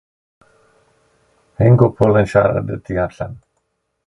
Hen gwpl yn siarad y tu allan.